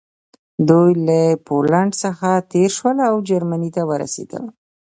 دوی له پولنډ څخه تېر شول او جرمني ته ورسېدل